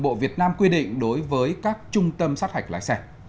bộ việt nam quy định đối với các trung tâm sát hạch lái xe